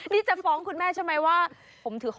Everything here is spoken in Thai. นี่จะฟ้องคุณแม่ใช่ไหมว่า